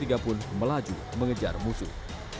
teng kemelaju mengejar musuh